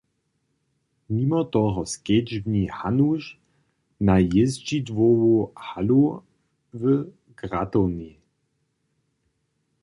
Nimo toho skedźbni Hanusch na jězdźidłowu halu w gratowni.